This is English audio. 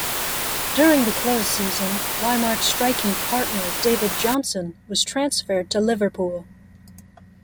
During the close season Whymark's striking partner David Jonson was transferred to Liverpool.